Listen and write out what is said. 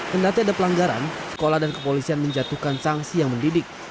kendati ada pelanggaran sekolah dan kepolisian menjatuhkan sanksi yang mendidik